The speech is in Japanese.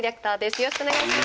よろしくお願いします。